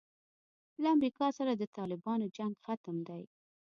له امریکا سره د طالبانو جنګ ختم دی.